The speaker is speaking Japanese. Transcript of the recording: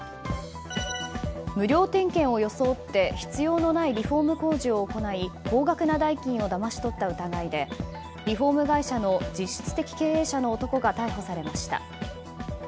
無料点検を装って必要のないリフォーム工事を行い高額な代金をだまし取った疑いでリフォーム会社の実質的経営者の男が逮捕されました。